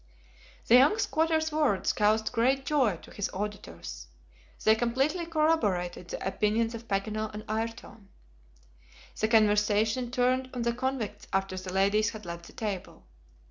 The young squatter's words caused great joy to his auditors. They completely corroborated the opinions of Paganel and Ayrton. The conversation turned on the convicts after the ladies had left the table.